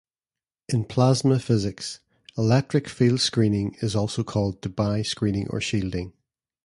In plasma physics, electric-field screening is also called Debye screening or shielding.